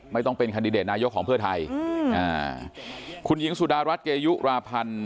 ไม่ต้องเป็นคันดิเดตนายกของเพื่อไทยคุณหญิงสุดารัฐเกยุราพันธ์